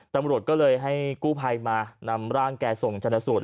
ตำรวจก็เลยให้กู้ภัยมานำร่างแกส่งชนสูตร